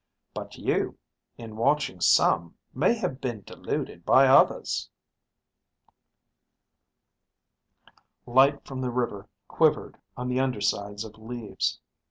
"But you, in watching some, may have been deluded by others." Light from the river quivered on the undersides of leaves.